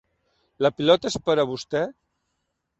La pilota és per a vostè?